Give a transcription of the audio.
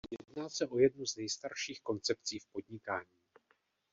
Jedná se o jednu z nejstarších koncepcí v podnikání.